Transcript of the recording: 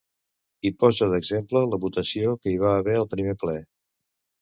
i posa d'exemple la votació que hi va haver al primer ple